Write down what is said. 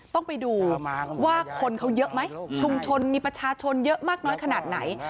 ต้องไปดูว่าคนเขาเยอะไหมชุมชนมีประชาชนเยอะมากน้อยขนาดไหน